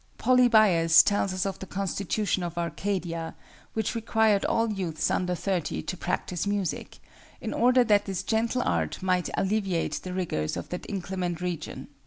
Polybius tells us of the Constitution of Arcadia, which required all youths under thirty to practice music, in order that this gentle art might alleviate the rigors of that inclement region.